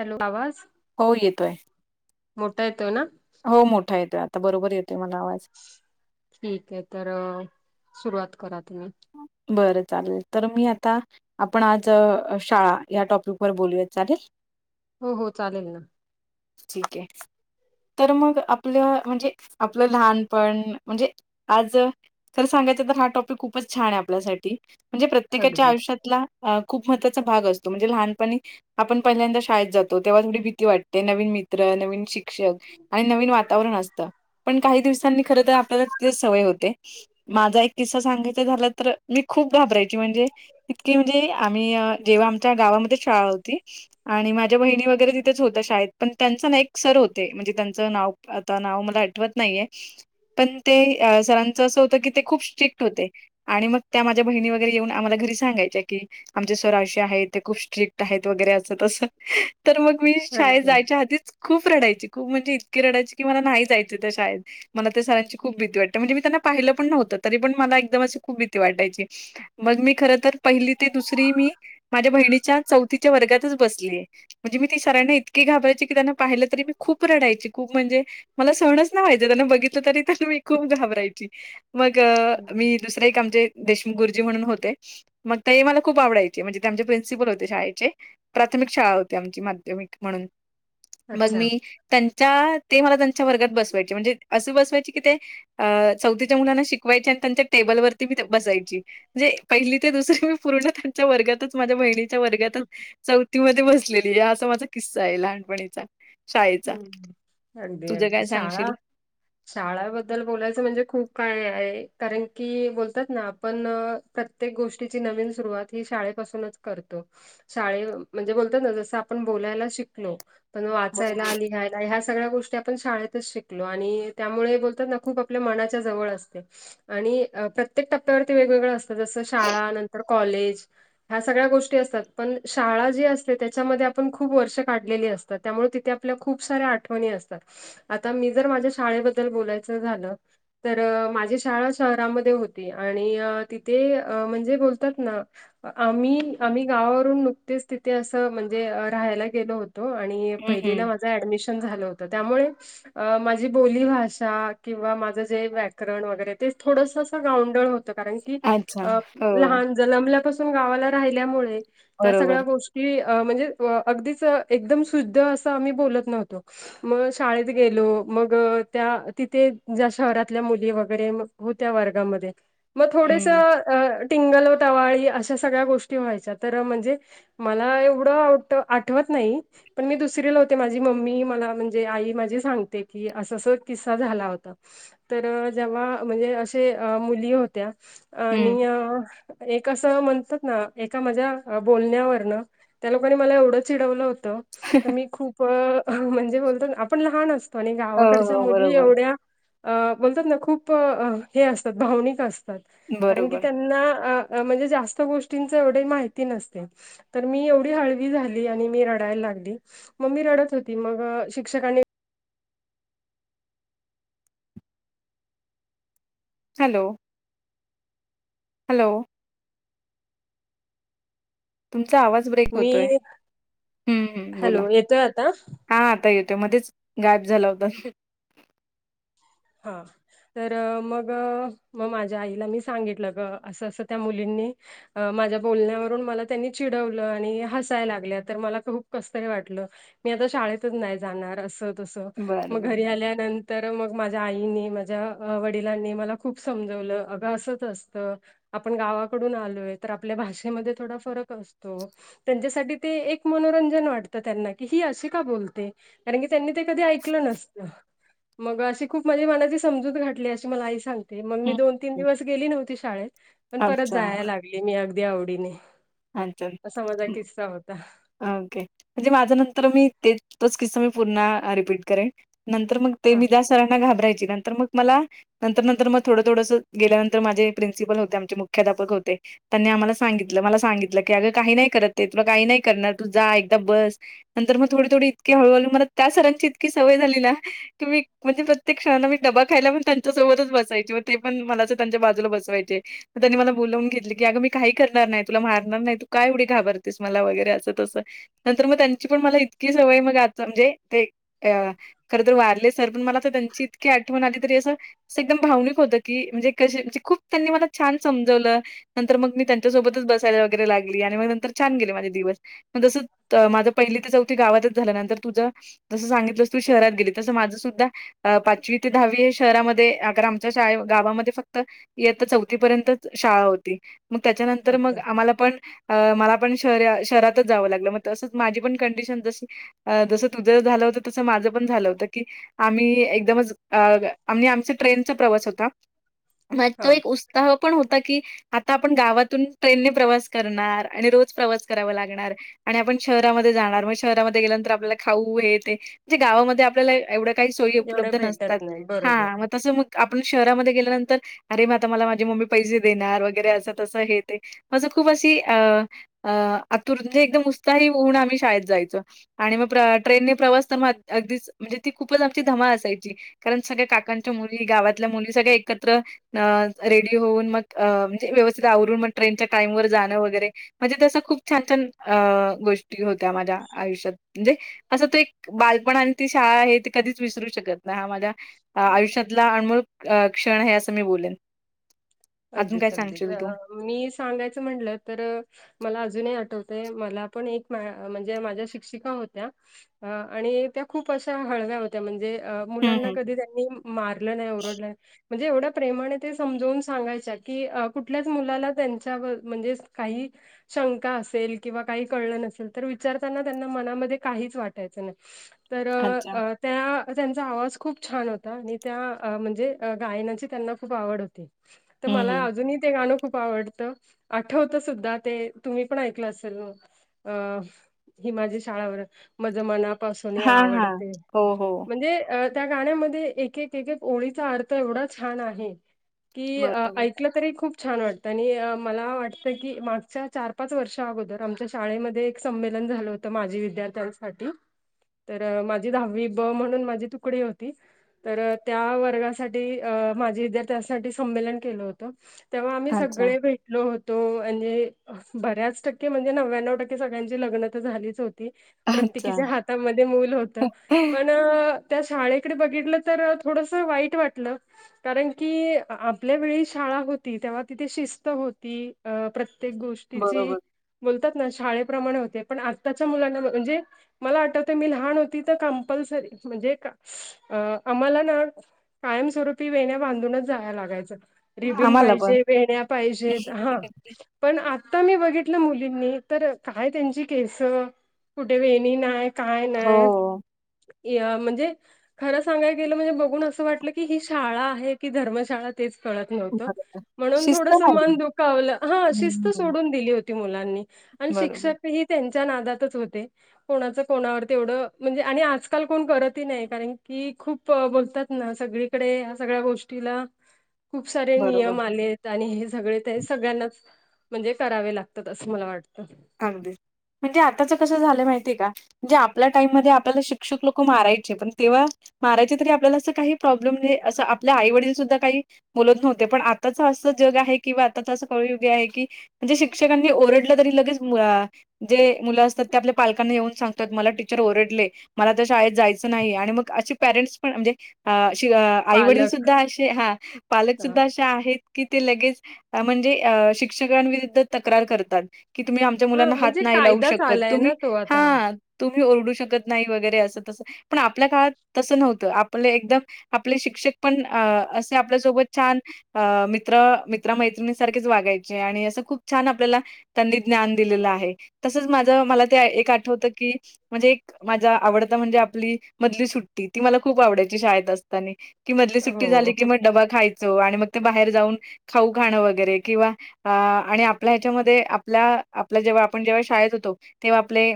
Hello आवाज हो येतोय. मोठा येतोय ना. हो मोठा येतो आता, बरोबर येतोय मला आवाज. ठीक आहे, तर सुरुवात करा तुम्ही. बरं चालेल. तर मी आता आपण आज शाळा या टॉपिकवर बोलूया. चालेल? हो हो चालेल ना. ठीक आहे. तर मग आपलं म्हणजे आपलं लहानपण म्हणजे आज खरं सांगायचं तर हा टॉपिक खूपच छान आहे आपल्यासाठी. म्हणजे प्रत्येकाच्या अगदीच आयुष्यातला अ खूप महत्वाचा भाग असतो. म्हणजे लहानपणी आपण पहिल्यांदा शाळेत जातो, तेव्हा थोडी भीती वाटते. नवीन मित्र नवीन शिक क्षक आणि नवीन वातावरण असतं. पण काही दिवसांनी खर तर आपल्याला तिथलीच सवय होते. माझा एक किस्सा सांगाय ते झालं तर मी खूप घाबरायची म्हणजे इतकीे म्हणजे आम्ही जेव्हा आमच्या गावामध्येच शाळा होती आणि माझ्या बहिणी वगैरे तिथेच होत्या शाळेत, पण त्यांचं ना एक सर होते. म्हणजे त्यांचं नाव आता नाव मला आठवत नाहीये. पण ते सरांचं असं होतं की, ते खूप स्ट्रिक्ट होते. आणि मग त्या माझ्या बहिणी वगैरे येऊन आम्हाला घरी सांगायच्या की आमचे सर अशे आहेत, ते खूप स्ट्रिक्ट आहेत वगैरे असं तसं. तर मग मी शाळेत अगदीच जायच्या आधीच खूप रडायची खूप म्हणजे इतकी रडायची, की मला नाही जायचं त्या शाळेत. मला त्या सरांची खूप भीती वाटते. म्हणजे मी त्यांना पाहिलं पण नव्हतं तरीपण मला एकदम अशी खूप भीती वाटायची. मग मी खर तर पहिली ते दुसरी मी माझ्या बहिणीच्या चौथीच्या वर्गातच बसलीय. म्हणजे मी त्या सरांना इतकी घाबरायची की, त्यांना पाहिलं तरी मी खूप रडायची. खूप म्हणजे मला सहणच नाही व्हायचं, त्यांना बघितलं तरी त्यांना मी खूप घाबरायची. मग हम्म. मी दुसरे एक आमचे देशमुख गुरुजी म्हणून होते मग ताई मला खूप आवडायचे म्हणजे ते आमचे प्रिन्सिपल होते शाळेचे. प्राथमिक शाळा होती आमची माध्यमिक म्हणून, मग अच्छा मी त्यां च्या ते मला त्यांच्या वर्गात बसवायचे म्हणजे असे बसवायचे की ते चौथीच्या मुलांना शिकवायच्या त्यांच्या टेबलवरती मी बसायची. म्हणजे पहिली ते दुसरी मी पूर्ण त्यांच्या वर्गातच माझ्या बहिणी वर्गातच चौथीमध्ये बसलेली. असा माझा किस्सा आहे लहानपणीचा. शाळेचा. हम्म अगदी तुझं अगदी काय शाळा सांगशील? शाळाबद्दल बोलायचं म्हणजे खूप काय आहे, कारण की बोलतात ना आपण प्रत्येक गोष्टीची नवीन सुरुवात ही शाळेपासूनचं करतो. शाळे म्हणजे बोलतात ना जसं आपण बोलायला शिकलो. पण बरोबर. वाचायला लिहाय ह्या सगळ्या गोष्टी आपण शाळेतच शिकलो आणि त्यामुळे बोलतात ना खूप आपल्या मनाच्या जवळ असते. आणि अ प्रत्येक टप्प्यावरती वेगवेगळं असतं. जसं शाळा नंतर कॉलेज ह्या सगळ्या गोष्टी असतात. पण शाळा जी असते त्याच्यामध्ये आपण खूप वर्ष काढलेली असतात. त्यामुळं ते त्या आपल्या खूप साऱ्या आठवणी असतात. आता मी जर माझ्या शाळेबद्दल बोलायचं झालं तर माझी शाळा शहरामध्ये होती आणि तिथे म्हणजे बोलतात ना आम्ही आम्ही गावावरून नुकतेच तिथे असं म्हणजे राहायला गेलो होतो. आणि हं, हं. पहिलीला माझं ऍडमिशन झालं होतं त्यामुळे अ माझी बोलीभाषा किंवा माझं जे व्याकरण वगैरे ते थोडसंच गावंढळ होत, कारण की अच्छा. अ हो, लहान जलमल्यापासून गावाला राहिल्यामुळे, त्या सगळ्या बरोबर. गोष् की अ म्हणजे वअगदीच एकदम शुद्ध असं आम्ही बोलत नव्हतो. मग शाळेत गेलो. मग त्या तिथे ज्या शहरातल्या मुली वगैरे मग, होत्या वर्गामध्ये म थोडस हं, अ टिंगल व टवाळी अशा सगळ्या गोष्टी व्हायच्या तर म्हणजे, मला एवढं आवठ आठवत नाही, पण मी दुस सिरीयल होते माझी मम्मी मला म्हणजे आई माझी सांगते, की असं असं किस्सा झाला होता. तर जेव्हा म्हणजे असे मुली होत्या हं. आणि या एक असं म्हणतात ना, एका माझ्या बोलण्यावरनं त्या लोकांनी मला एवढं चिडवलं होतं. तर मी खूप म्हणजे बोलतो ना आपण लहान असतो आणि हो, गावाकडच्या हो. मुली बरोबर, एवढ्या अ बोलतात ना खूप हे असतात, भावनिक असतात कारण की बरोबर. त्यांना. म्हणजे, जास्त गोष्टींच एवढे माहिती नसते. तर मी एवढी हळवी झाली आणि मी रडायला लागली मग मी रडत होती मगं शिक्षकांनी हॅलो. हॅलो, तुमचा आवाज ब्रेक मी होतोय हम्म हम्म बोला. हॅलो येतोय आता हा हा आता येतोय मध्येच गायब झाला होता. हां. तर मग मग माझ्या आईला, मी सांगितलं गं असं असं त्या मुलींनी. अ माझ्या बोलण्यावरून मला त्यांनी चिडवलं आणि हसाय लागल्या तर मला खूप कसतरी वाटलं. मी आता शाळेतच नाही जाणार, असं तसं मग बरोबर घरी आल्यानंतर मग. माझ्या आईनी माझ्या वडिलांनी मला खूप समजवलं अगं असंच असतं. आपण गावाकडून आलोय, तर आपल्या भाषेमध्ये थोडा फरक असतो. त्यांच्यासाठी ते एक मनोरंजन वाटतं त्यांना की ही अशी का बोलते? कारण की त्यांनी ते कधी ऐकलं नसत मग अशी खूप म्हणजे मनाची समजूत घातली अशी मला आई सांगते मग मी हं. दोन-तीन दिवस गेली नव्हती शाळेत. पण परत अच्छा जायला लागले, मी अगदी आवडीने. हालचाल असा माझा किस्सा होता. ओके. म्हणजे माझ्या नंतर मी ते तोच किस्सा मी पूर्ण रिपीट करेन. नंतर मग ते, हां. मी ज्या सरांना घाबरायची नंतर मग. मला नंतर-नंतर मग थोडं थोडंस गेल्यानंतर माझे प्रिन्सिपल होते आमचे मुख्याध्यापक होते. त्यांनी आम्हाला सांगितलं मला सांगितलं की अगं काही नाही करत ते तुला काही नाही करणार तू जा एकदा बस. नंतर मग थोडी थोडी इतके, हळूहळू मला त्या सरांची इतकी सवय झाली ना. कि मी म्हणजे प्रत्येक क्षणाला मी डबा खायला पण त्यांच्यासोबतच बसायचे ते, पण मला अस त्यांच्या बाजूला बसवायचे. म त्यांनी मला बोलावून घेतलं की अगं मी काही करणार नाही तुला मारणार नाही तू काय एवढी घाबरतेस मला वगैरे असं तसं नंतर म त्यांची पण मला इतकी सवय मग आता म्हणजे ते क्यावा खरं तर वारलेच सर पण मला त्यांची इतकी, आठवण आली तरी असं एकदम भावनिक होतं. की म्हणजे कशी अशी म्हणजे खूप त्यांनी मला छान समजवलं नंतर मग मी त्यांच्या सोबतच बस सवय वगैरे लागली, आणि मग नंतर छान गेले माझे दिवस. मग तसं माझं पहिली ते चौथी गावातच झालं, नंतर तुझं. जसं सांगितलंस, तू शहरात गेली तसं माझं सुद्धा. अ.. पाचवी ते दहावी शहरामध्ये, अगर आमच्या शाळ गावामध्ये फक्त. इयत्ता चौथीपर्यंतच शाळा होती, मग त्याच्यानंतर अच्छा. मग. मला पण, मला पण शहरात जावं लागल. तसंच माझी पण कंडिशन तशी. जसं तुझं झालं होतं, तसं माझं पण झालं होतं की. आम्ही एकदमच अगं आम्ही आमचं ट्रेनचा प्रवास होता. म तो हां. एक उत्साह पण होता की, आता आपण गावातून. ट्रेनने प्रवास करणार आणि रोज प्रवास करावा लागणार. आणि आपण शहरामध्ये जाणार मगशहरामध्ये गेल्यानंतर आपल्याला खाऊ हे ते जे गावामध्ये आपल्याला एवढं काही सोई एवढ्या उपलब्ध नसतात भेटत नाही. हा बरोबर. तसं मग आपण शहरामध्ये गेल्यानंतर अरे, मग आता मला माझी मम्मी पैसे देणार वगैरे असं तसं हे ते. माझ खूप अशी अ -आतुर म्हणजे, एकदम उत्साही होऊन आम्ही शाळेत जायचो. आणि मग ट्रेनने प्रवास तर मग, अगदीच म्हणजे ती खूपच आमची धमाल असायची. कारण सगळ्या काकांच्या मुली गावातल्या मुली सगळ्या एकत्र अ रेडी होऊन मग अ म्हणजे व्यवस्थित आवरून मग ट्रेनच्या टाइम वर जाणं वगैरे म्हणजे तसं खूप छान छान अ.. गोष्टी होत्या. माझ्या आयुष्यात म्हणजे, असं तो एक बालपण आणि ती शाळा आहे, ते कधीच विसरू शकत नाही. हा माझ्या अ.. आयुष्यातला अनमोल क्षण आहे, असं मी बोलेन. अजून काय अगदीच, अगदीच. सांगशील तू. अ, मी सांगायचं म्हणलं तर. मला अजूनही आठवत मला, पण एक म्हणजे माझ्या शिक्षिका होत्या. अ आणि त्या खूप अशा हळव्या होत्या. म्हणजे अ... हं, मुलांना हं. कधी त्यांनी मारलं नाही, ओरडल्या म्हणजे एवढं प्रेमाने ते समजवून सांगाय च्या की कुठल्याच मुलाला, त्यांच्या म्हणजेच काही. शंका असेल किंवा काही कळलं नसेल तर, विचारताना त्यांना मनामध्ये काहीच वाटायचं नाही. तर, अच्छा. त्या त्यांचा आवाज खूप छान होता आणि त्या म्हणजे गायनाची त्यांना खूप आवड होती. हं, मला हं. अजूनही ते गाणं खूप आवडतं, आठवतं सुद्धा ते तुम्ही पण ऐकलं असेल मग. अ ही माझी शाळावर, माझं मनापासूनही हां, हां. आवडते. हो, हो. म्हणजे अ त्या गाण्यामध्ये एक एक एक ओळीचा अर्थ एवढा छान आहे. की, अं.. बरोबर. तरी खूप छान वाटतं आणि मला वाटतं की, मागच्या चार पाच वर्षा अगोदर आमच्या. शाळेमध्ये एक संमेलन झालं होतं. माझी विद्यार्थ्यांसाठी, तर माझी दहावी ब म्हणून माझी तुकडी होती. तर त्या वर्गासाठी माझी विद्यार्थ्यांसाठी संमेलन. केलो होतो. तेव्हा आम्ही अच्छा, सगळे भेटलो होतो, आणि बऱ्याच टक्के म्हणजे, नन्यानव टक्के सगळ्यांची लग्न तर झालीच होती. अच्छा. प्रत्येकीच्या हातामध्ये मूल होतं, पण त्या शाळेकडे बघितलं तर थोडंसं वाईट वाटलं. कारण की, आपल्या वेळी शाळा होती तेव्हा, तिथे शिस्त होती अ.. प्रत्येक गोष्टीची. बरोबर. बोलतात ना शाळेप्रमाणे होते. पण आत्ताच्या मुलांना म्हणजे, मला आठवतंय मी लहान होती. तर कंपल्सरी म्हणजे कां, अं.. आम्हाला ना, कायमस्वरूपी वेण्या बांधूनच जाया लागायचं. रिबीन आम्हाला पण. पाहिजे, वेण्या पाहिजेत हां.. पण आता मी बघितलं मुलींनी, तर काय त्यांची केस कुठे वेणी नाय. काय नाय हो, म्हणजे, खरं सांगाय गेलं म्हणजे बघून, असं वाटलं की ही शाळा आहे की धर्मशाळा. तेच कळत नव्हत बरोबर. म्हणून, शिस्त थोडंसं नाही. मन दुखावलं हा शिस्त हं. सोडून दिली होती. ती मुलांनी आणि बरोबर, शिक्षक हि त्यांच्या नादातच होते. कोणाच कोणावर तेवढं म्हणजे, आणि आजकाल कोण करतही नाही कारण की खूप. बोलतात ना सगळीकडे, या सगळ्या गोष्टीला खूप सारे बरोबर. नियम आलेत. आणि हे सगळे ते सगळ्यांनाच म्हणजे करावे लागतात, असं मला वाटतं. अगदीच म्हणजे, आताच कसं झालं माहितीय कां. जे आपल्या टाइममध्ये आपल्याला शिक्षक लोकं मारायचे, पण तेव्हा मारायची तरी आपल्याला असं काही, प्रॉब्लेम नाही असं आपल्या आईवडील सुद्धा काही. बोलत नव्हते पण आताच असं, जग आहे की किंवा आताच असं कलयुग आहे की. म्हणजे शिक्षकांनी ओरडलं तरी लगेच, जे मुलं असतात ते आपल्या. पालकांना येऊन सांगतात. मला टीचर ओरडले मला त्याशाळेत जायचं नाही. आणि मग असे पेरेंट्स पण म्हणजे, अशी आईवडील पालक सुद्धा असे हा पालक सुुद्धा असे ते आहेत की ते लगेच, म्हणजे शिक्षकांविरूद्ध तक्रार करतात. की तुम्ही आमच्या हा मुलांना हात म्हणजे नाही लावू कायदाच शकत आलाय तुम्ही ना तो आता हा. तुम्ही ओरडू शकत नाही वगैरे असं तसं पण आपल्या काळात तसं नव्हतं आपलं एकदम आपले शिक्षक पण, अ.. असे आपल्यासोबत छान. अ.. मित्र मित्रमैत्रिणीसारखेच वागायचे, आणि असं खूप छान आपल्याला. त्यांनी ज्ञान दिलेलं आहे. तसंच माझं मला ते एक आठवत की म्हणजे एक माझा आवडता म्हणजे आपली मधली सुट्टी ती मला खूप आवडायची शाळेत असताने. की मधली सुट्टी हो. झाली की मग डबा खायचो आणि मग ते बाहेर जाऊन खाऊ खाणं वगैरे किंवा आणि आ आपल्या ह्याच्यामध्ये आप पला आपला जेव्हा आपण जेव्हा शाळेत होतो तेव्हा आपले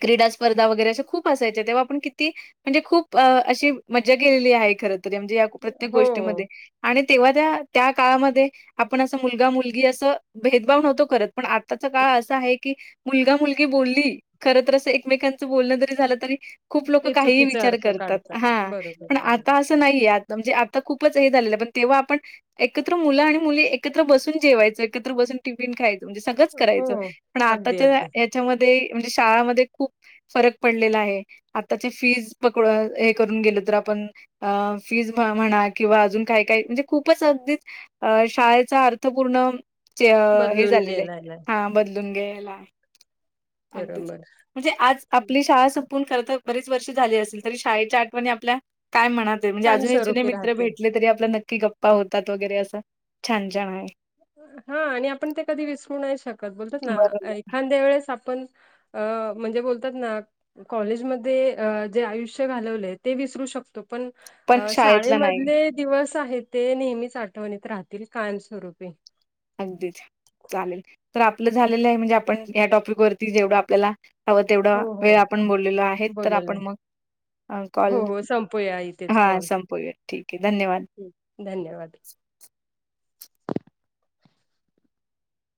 क्रीडा स्पर्धा वगैरे असे खूप असायचे तेव्हा आपण किती म्हणजे खूप अ अशी मजा केेलेली आहे खरं तरी म्हणजे या प्रत्येक हो गोष्टीमध्ये. आणि तेव्हा त्या त्या काळामध्ये आपण असं मुलगा-मुलगी असं भेदभाव नव्हतो करत. पण आत्ताचा काळ असा आहे की मुलगा-मुलगी बोलली खरं तर असं एकमेकांचं बोलणं जरी झालं तरी खूप लोकं ते काहीही चुकीचा विचार अर्थ करतात काढतात. हा बरोबर पण बरोबर. आतास ते नाहीे आहे आता म्हणजे आता खूपच हे झालेलं पण तेव्हा आपण एकत्र मुलं आणि मुली एकत्र बसून जेवायच एकत्र बसून टिफिन खाय म्हणजे सगळंच हो करायचं पण अगदी आताच्या अगदी याच्यामध्ये म्हणजे शाळामध्ये खूप फरक पडलेला आहे. आताची फीज पकड हे करून गेल तर आपण अ फीज म-म्हणा किंवा अजून काय काय म्हणजे खूपच अगदीच अ शाळेचा अर्थपूर्ण च हे बदलून गेलाला आहे हा बदलून घ्याला अगदीच बरोबर. म्हणजे आज आपली शाळा संपून खर तर बरीेच वर्ष झाली असेल, तरी शाळेच्या आठवणी आपल्या काय मनात ते म्हणजे अजून ही जुने कायमस्वरूपी मित्र राहतील. भेटले तरी आपला नक्की गप्पा होतात वगैरे असं छान-छान आहे. हा आणि आपण ते कधी विसरू नाही शकत बोलतो ना बरोबर. एखांद्या वेळेस आपण अ म्हणजे बोलतात ना कॉलेजमध्ये अ जे आयुष्य घालवलेय ते विसरू शकतो पण पण अ शाळेतला नाही. शाळेमधले दिवस आहे ते नेहमीच आठवणीत राहतील कायमस्वरूपे. अगदीच चालेल, तर आपलं झालेलं आहे म्हणजे आपण या टॉपिकवरती जेवढं आपल्याला हवं तेवढा हो हो वेळ आपण बोललेल आहे तर आपण मग आ कॉल व संपोया इथे हा संपूया ठीक आहे धन्यवाद. हम्म धन्यवाद.